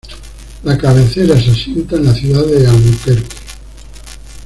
La cabecera se asienta en la ciudad de Albuquerque.